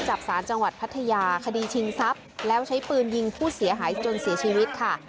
จับสารจังหวัดพัทยาคดีชิงทรัพย์แล้วใช้ปืนยิงผู้เสียหายจนเสียชีวิตค่ะ